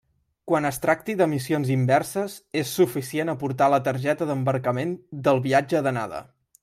Quan es tracti de missions inverses, és suficient aportar la targeta d'embarcament del viatge d'anada.